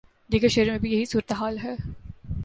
دیگر شہروں میں بھی یہی صورت حال ہے۔